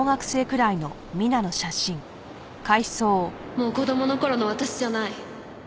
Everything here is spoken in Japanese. もう子供の頃の私じゃない。